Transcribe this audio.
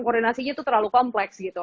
koordinasinya itu terlalu kompleks gitu